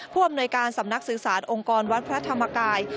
เพื่ออำนวยการสำนักศึกษาองค์กรวัดพระธรรมกาย